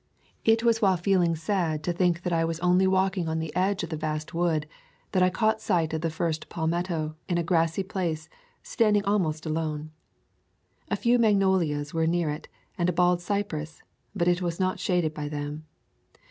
It was while feeling sad to think that I was [ 91 ] A Thousand Mile Walk only walking on the edge of the vast wood, that I caught sight of the first palmetto in a grassy place, standing almost alone. A few magnolias were near it, and bald cypresses, but it was not shaded by them.